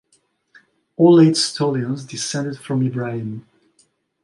All eight stallions descended from Ibrahim.